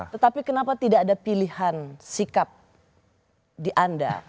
tetapi kenapa tidak ada pilihan sikap di anda